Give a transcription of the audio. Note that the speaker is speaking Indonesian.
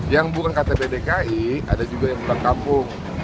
yang bukan ktp dki ada juga yang pulang kampung